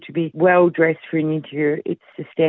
untuk berpakaian yang baik untuk wawancara